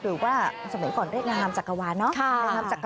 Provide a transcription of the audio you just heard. หรือว่าสมัยก่อนเรียกนามจักรวาลเนาะ